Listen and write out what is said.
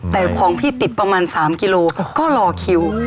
แต่ของพี่ติดประมาณ๓กิโลก็รอคิว